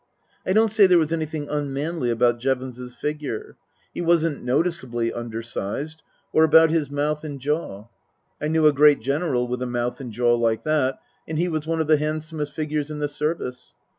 I don't say there was anything unmanly about Jevons's figure (he wasn't noticeably undersized), or about his mouth and jaw. I knew a great General with a mouth and jaw like that, and he was one of the handsomest figures in the Service.